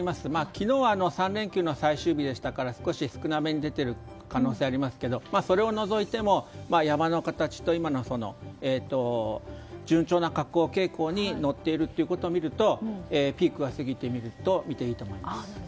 昨日は３連休の最終日でしたから少し少なめに出ている可能性はありますがそれを除いても山の形と今の順調な下降傾向に乗っているということを見るとピークは過ぎているとみていいと思います。